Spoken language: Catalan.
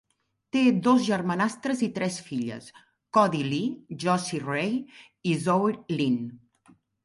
Té dos germanastres i tres filles: Koddi Lee, Jossi Rae i Zoey Lyn.